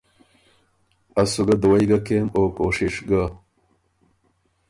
”از سُو ګۀ دَوَئ ګه کېم او کوشِش ګۀ“